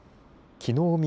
きのう